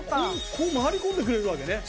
こう回り込んでくれるわけね。